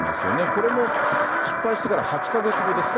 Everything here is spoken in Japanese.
これも失敗してから８か月後ですか？